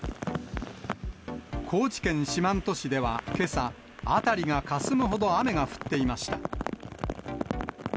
高知県四万十市ではけさ、辺りがかすむほど雨が降っていました。